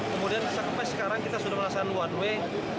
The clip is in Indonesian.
kemudian sampai sekarang kita sudah melaksanakan one way